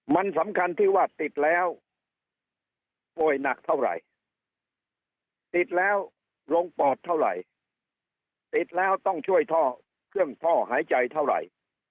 มันสำคัญที่ว่าติดแล้วป่วยหนักเท่าไหร่ติดแล้วลงปอดเท่าไหร่ติดแล้วต้องช่วยท่อเครื่องท่อหายใจเท่าไหร่